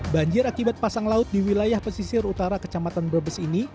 banjir akibat pasang laut di wilayah pesisir utara kecamatan brebes ini